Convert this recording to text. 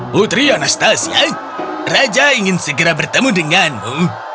putri anastasia raja ingin segera bertemu denganmu